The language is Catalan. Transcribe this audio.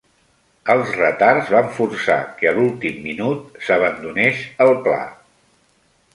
Els retards van forçar que a l'últim minut s'abandonés el pla.